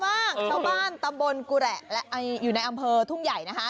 ชาวบ้านตำบลกุแหละและอยู่ในอำเภอทุ่งใหญ่นะคะ